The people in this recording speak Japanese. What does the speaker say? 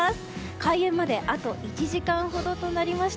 開演まであと１時間ほどとなりました。